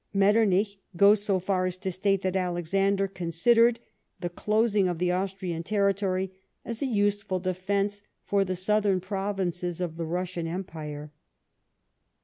Metternich goes so far as to state that Alexander con sidered the closing of the Austrian territory as a useful defence for the southern provinces of the Russian Empire.